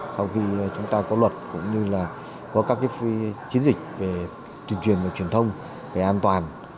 sau khi chúng ta có luật cũng như là có các chiến dịch về tuyên truyền và truyền thông về an toàn